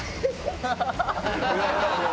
ハハハハ！